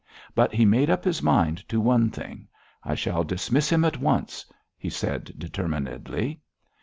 But he made up his mind to one thing. 'I shall dismiss him at once!' he said determinedly.